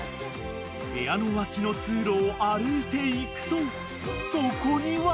［部屋の脇の通路を歩いていくとそこには］